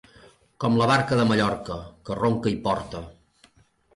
Com la barca de Mallorca, que ronca i porta.